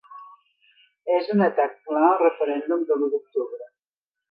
És un atac ‘clar’ al referèndum de l’u d’octubre.